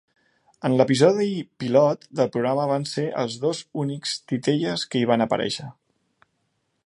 En l'episodi pilot del programa van ser els dos únics titelles que hi van aparèixer.